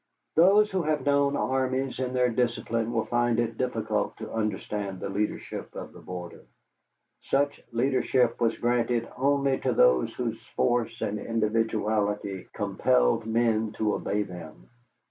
Those who have known armies in their discipline will find it difficult to understand the leadership of the border. Such leadership was granted only to those whose force and individuality compelled men to obey them.